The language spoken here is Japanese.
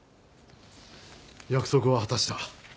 約束は果たした